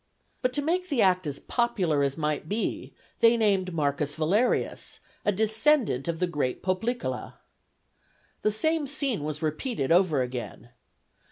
But to make the act as popular as might be, they named M. Valerius, a descendant of the great Poplicola. The same scene was repeated over again.